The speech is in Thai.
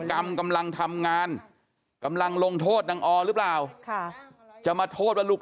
กำลังทำงานกำลังลงโทษนางอหรือเปล่าค่ะจะมาโทษว่าลูก